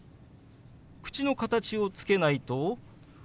口の形をつけないと。